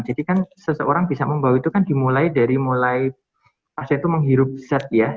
jadi kan seseorang bisa membawa itu kan dimulai dari mulai pas itu menghirup zat ya